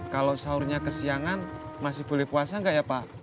kalau sahurnya kesiangan masih boleh puasa nggak ya pak